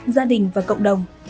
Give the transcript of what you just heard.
gia đình và cộng đồng